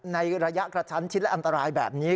ในระยะกระชั้นชิดและอันตรายแบบนี้